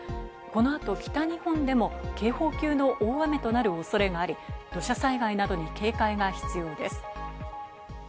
この後、北日本でも警報級の大雨となる恐れがあり、土砂災害などに警戒が必要です。